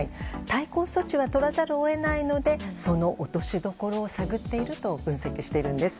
対抗措置は取らざるを得ないのでその落としどころを探っていると分析しているんです。